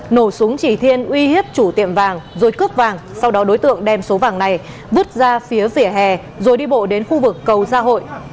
nổ súng chỉ thiên uy hiếp chủ tiệm vàng rồi cướp vàng sau đó đối tượng đem số vàng này vứt ra phía vỉa hè rồi đi bộ đến khu vực cầu gia hội